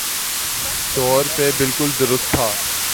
طور پہ بالکل درست تھا